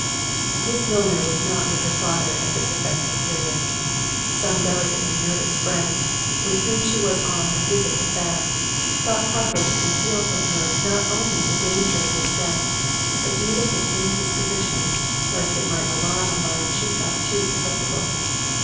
Miss Milner was not with her father at this affecting period—some delicately nervous friend, with whom she was on a visit at Bath, thought proper to conceal from her not only the danger of his death, but even his indisposition, lest it might alarm a mind she thought too susceptible.